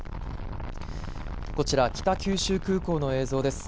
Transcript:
こちら北九州空港の映像です。